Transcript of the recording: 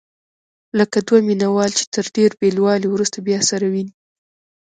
لکه دوه مینه وال چې تر ډېر بېلوالي وروسته بیا سره ویني.